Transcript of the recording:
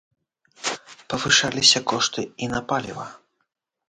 Павышаліся кошты і на паліва.